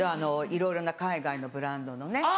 いろいろな海外のブランドのね